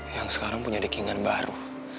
yang sekarang punya dakingan baru